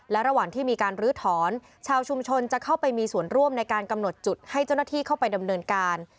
และระหว่างที่มีการลื้อถอนชาวชุมชนจะเข้าไปมีส่วนร่วมในการกำหนดจุดให้เจ้าหน้าที่เข้าไปดำเนินการ